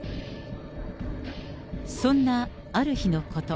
そんなある日のこと。